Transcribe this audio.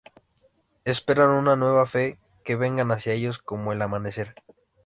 Esperan una Nueva Fe que venga hacia ellos, como el amanecer.